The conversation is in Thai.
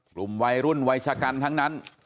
กลุ่มวัยรุ่นวัยชะกันทั้งนั้น